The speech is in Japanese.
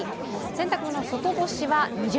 洗濯物、外干しは◎。